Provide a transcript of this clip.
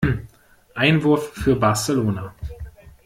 Einwurf für Barcelona.